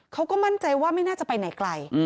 เขาก็มั่นใจว่าไม่น่าจะไปไหนไกล